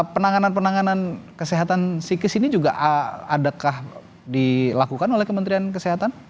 penanganan penanganan kesehatan psikis ini juga adakah dilakukan oleh kementerian kesehatan